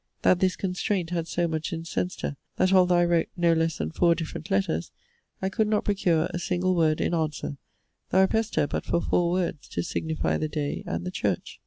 That this constraint had so much incensed her, that although I wrote no less than four different letters, I could not procure a single word in answer; though I pressed her but for four words to signify the day and the church.